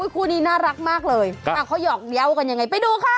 คู่นี้น่ารักมากเลยเขาหยอกเยาว์กันยังไงไปดูค่ะ